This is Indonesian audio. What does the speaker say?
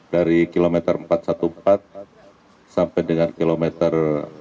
dari kilometer empat ratus empat belas sampai dengan kilometer